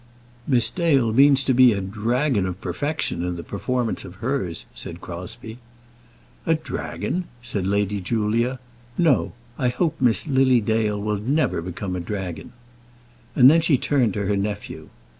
"Miss Dale means to be a dragon of perfection in the performance of hers," said Crosbie. "A dragon!" said Lady Julia. "No; I hope Miss Lily Dale will never become a dragon." And then she turned to her nephew.